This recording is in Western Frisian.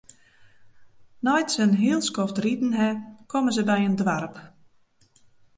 Nei't se in hiel skoft riden ha, komme se by in doarp.